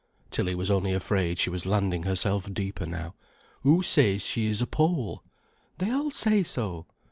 Tilly was only afraid she was landing herself deeper now. "Who says she's a Pole?" "They all say so."